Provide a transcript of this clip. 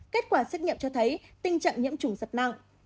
kết quả xét nghiệm cho thấy tình trạng nhiễm trùng rất nặng